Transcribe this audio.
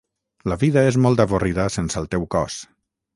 La vida és molt avorrida sense el teu cos.